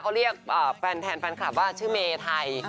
เขาเรียกแฟนแฟนคลับว่าชื่อเมไทย